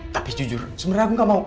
tapi sejujur sebenarnya aku gak mau